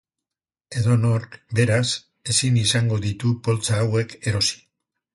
Edonork, beraz, ezin izango ditu poltsa hauek erosi.